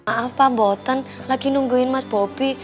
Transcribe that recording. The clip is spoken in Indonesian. maaf pak mboten lagi nungguin mas bobi